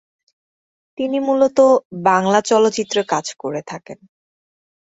তিনি মূলত বাংলা চলচ্চিত্রে কাজ করে থাকেন।